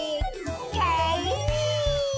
パオーン！